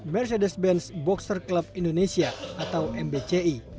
mercedes benz boxer club indonesia atau mbci